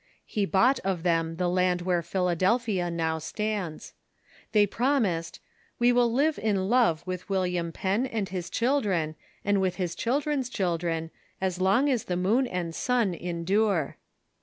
He bought of them the land where Philadelphia now stands. They promised :" We will live in love with Will iam Penn and his children, and with his children's children, as long as the moon and sun endure."